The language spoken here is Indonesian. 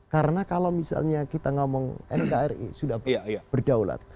karena kalau misalnya kita ngomong rkri sudah berdaulat